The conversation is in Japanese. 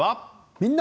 「みんな！